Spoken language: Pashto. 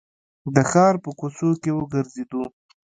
د ښار په کوڅو کې وګرځېدو.